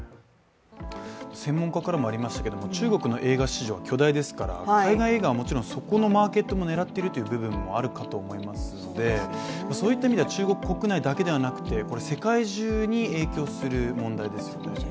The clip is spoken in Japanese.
専門家からもありましたけれども中国の映画市場は巨大ですから海外映画はもちろんそこのマーケットを狙っている部分もあるとおもいますので、そういった意味では中国国内だけではなくて世界中に影響する問題ですよね。